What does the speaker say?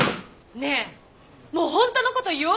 もう本当の事言おうよ！